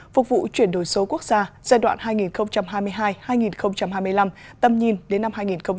phục vụ chuyển đổi số quốc gia giai đoạn hai nghìn hai mươi hai hai nghìn hai mươi năm tầm nhìn đến năm hai nghìn ba mươi